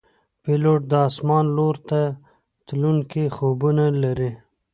پیلوټ د آسمان لور ته تلونکي خوبونه لري.